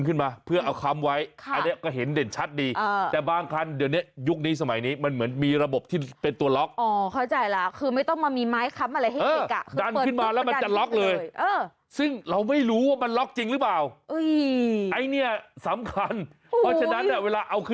เข้ามาค้าเบิ้ลไม่แล้วยังไม่ทันจะชัวเรื่องว่าล๊อคไม่ล็อค